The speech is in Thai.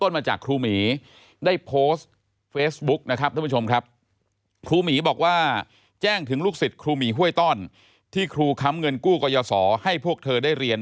ยาท่าน้ำขาวไทยนครเพราะทุกการเดินทางของคุณจะมีแต่รอยยิ้ม